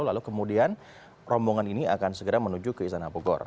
lalu kemudian rombongan ini akan segera menuju ke istana bogor